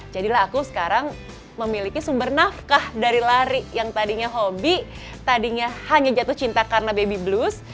jadilah aku sekarang memiliki sumber nafkah dari lari yang tadinya hobi tadinya hanya jatuh cinta karena baby blues